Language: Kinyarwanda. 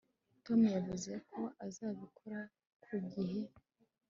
Tom yavuze ko azabikora ku gihe